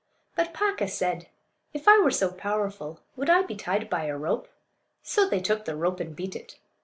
But Paaka said, "If I were so powerful would I be tied by a rope?" So they took the rope and beat it.